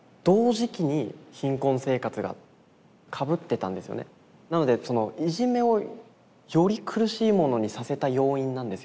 まあなのでなのでいじめをより苦しいものにさせた要因なんですよ